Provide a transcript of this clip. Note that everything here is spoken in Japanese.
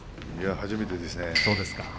初めてですね。